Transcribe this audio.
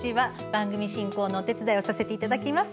番組進行のお手伝いをさせていただきます。